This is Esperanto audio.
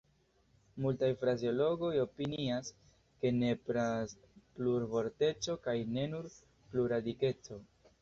Multaj frazeologoj opinias, ke nepras plurvorteco kaj ne nur plurradikeco.